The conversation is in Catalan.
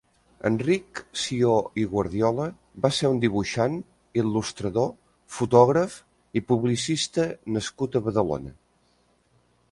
Enric Sió i Guardiola va ser un dibuixant, il·lustrador, fotògraf i publicista nascut a Badalona.